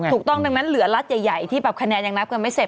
ถูกต้องดังนั้นเหลือรัฐใหญ่ที่แบบคะแนนยังนับกันไม่เสร็จ